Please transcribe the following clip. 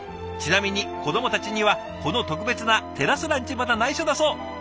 ちなみに子どもたちにはこの特別なテラスランチまだないしょだそう。